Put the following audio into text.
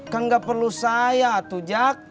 kan gak perlu saya tuh jack